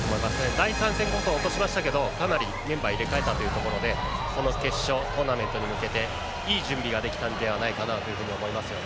第３戦こそ落としましたがかなりメンバーを入れ替えたのでこの決勝トーナメントに向けていい準備ができたのではないかなと思います。